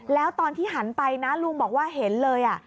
แล้วตอนที่หันไปนะลุงบอกว่าเห็นเลย